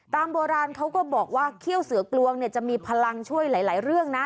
โบราณเขาก็บอกว่าเขี้ยวเสือกลวงเนี่ยจะมีพลังช่วยหลายเรื่องนะ